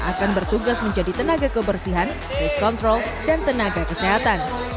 akan bertugas menjadi tenaga kebersihan risk control dan tenaga kesehatan